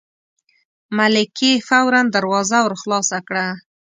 ملکې فوراً دروازه ور خلاصه کړه.